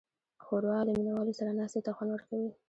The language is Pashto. ښوروا له مینهوالو سره ناستې ته خوند ورکوي.